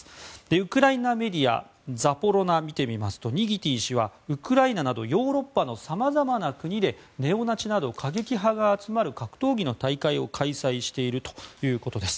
ウクライナメディアザボロナを見てみますとニギティン氏は、ウクライナなどヨーロッパの様々な国でネオナチなど過激派が集まる格闘技の開催を予定しているということです。